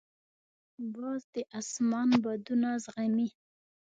باز د اسمان بادونه زغمي